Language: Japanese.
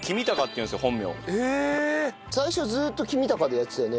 最初ずっと侯隆でやってたよね。